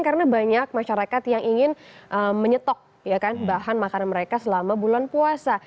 karena banyak masyarakat yang ingin menyetok bahan makanan mereka selama bulan puasa